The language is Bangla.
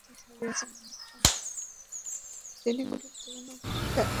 তিনি গুরুত্বপূর্ণ ভূমিকার স্বাক্ষর রাখেন।